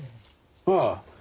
ああ。